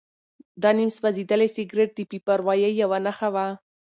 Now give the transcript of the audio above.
دا نیم سوځېدلی سګرټ د بې پروایۍ یوه نښه وه.